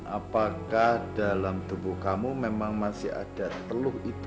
apakah dalam tubuh kamu memang masih ada peluk itu